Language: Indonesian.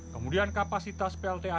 kemudian kapasitas plta